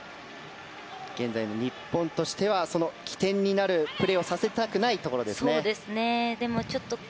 現在の日本としては起点になるプレーをさせたくないところですね。